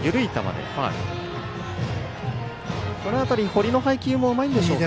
堀の配球もうまいんでしょうか。